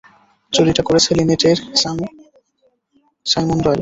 চুরিটা করেছে লিনেটের স্বামী সাইমন ডয়েল।